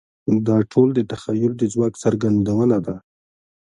دا ټول د تخیل د ځواک څرګندونه ده.